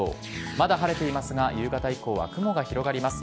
まだ晴れていますが夕方以降は雲が広がります。